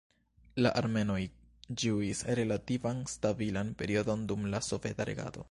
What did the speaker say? La armenoj ĝuis relativan stabilan periodon dum la soveta regado.